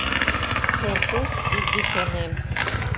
Шортеш изи чонем.